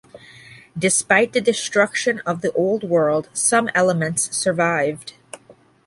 Despite the destruction of the old world, some elements survived.